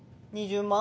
２０万？